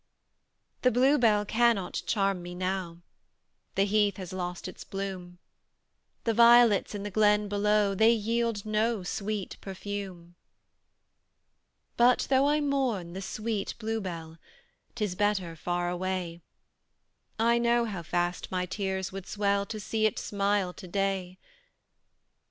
The Bluebell cannot charm me now, The heath has lost its bloom; The violets in the glen below, They yield no sweet perfume. But, though I mourn the sweet Bluebell, 'Tis better far away; I know how fast my tears would swell To see it smile to day.